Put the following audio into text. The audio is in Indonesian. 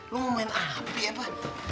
lo mau main hp apa